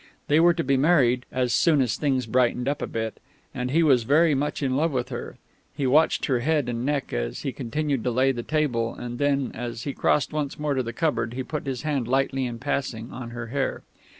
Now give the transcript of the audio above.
They were to be married "as soon as things brightened up a bit," and he was very much in love with her. He watched her head and neck as he continued to lay the table, and then, as he crossed once more to the cupboard, he put his hand lightly in passing on her hair.